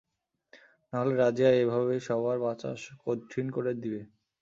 নাহলে রাজিয়া এভাবেই সবার বাঁচা কঠিন করে দিবে।